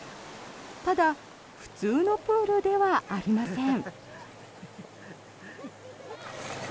ただ、普通のプールではありません。